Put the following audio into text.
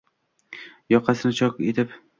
Yoqasini chok etib.